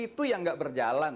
itu yang jadi masalah